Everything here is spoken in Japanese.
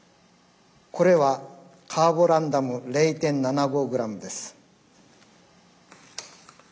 これはカーボランダム０．７５グラムです。